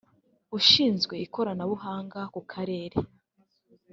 ushinzwe Ikoranabuhanga ku karere